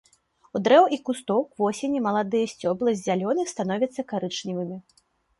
У дрэў і кустоў к восені маладыя сцёблы з зялёных становяцца карычневымі.